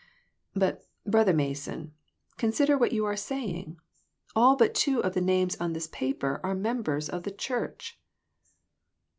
"But, Brother Mason, consider what you are saying; all but two of the names on this paper are members of the church